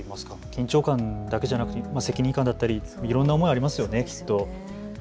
緊張感だけじゃなくて責任感だったり、いろんな思いがありますよね、きっと。